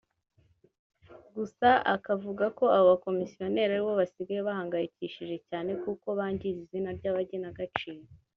gusa akavuga ko aba bakomisiyoneri aribo basigaye bahangayikishije cyane kuko bangiza izina ry’abagenagaciro